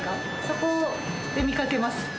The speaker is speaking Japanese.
そこで見かけます。